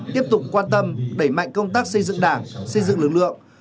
tiếp tục quan tâm đẩy mạnh công tác xây dựng đảng xây dựng lực lượng